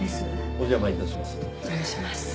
お邪魔します。